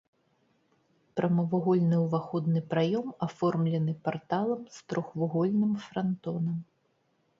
Прамавугольны ўваходны праём аформлены парталам з трохвугольным франтонам.